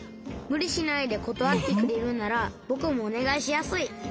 むりしないでことわってくれるならぼくもおねがいしやすい。